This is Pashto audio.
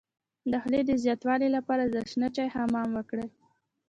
د خولې د زیاتوالي لپاره د شنه چای حمام وکړئ